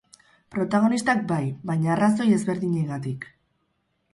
Protagonistak bai, baina arrazoi ezberdinengatik.